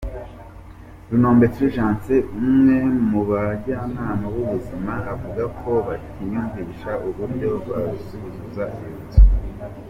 Runombe Fulgence, umwe mu bajyanama b’ubuzima avuga ko batiyumvishaga uburyo bazuzuza iyo nzu.